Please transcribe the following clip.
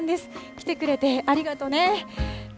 来てくれてありがとね。